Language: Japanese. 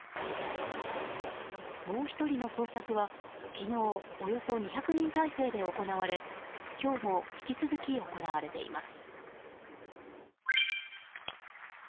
もう１人の捜索は、昨日およそ２００人態勢で行われ今日も引き続き行われています。